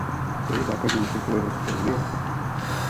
Co je základní myšlenkou Evropské unie?